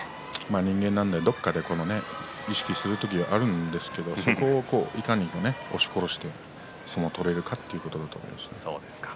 人間なのでどこかで意識していることはあるんですけれどそこを、いかに押し殺して相撲を取れるかというところだと思います。